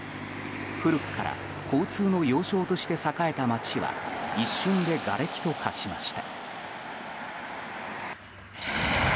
古くから交通の要衝として栄えた街は一瞬でがれきと化しました。